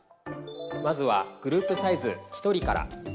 まずはグループサイズ１人から。